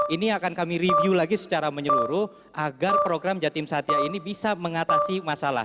ini akan kami review lagi secara menyeluruh agar program jatim satya ini bisa mengatasi masalah